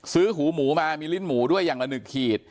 ซื้อหูหมูมามีลิ้นหมูด้วยอย่างระนึกขีด